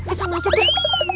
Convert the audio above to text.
bisa macet deh